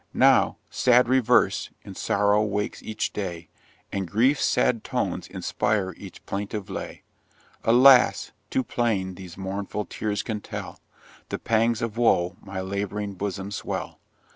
Now sad reverse! in sorrow wakes each day, And griefs sad tones inspire each plaintive lay: Alas! too plain these mournful tears can tell The pangs of woe my lab'ring bosom swell!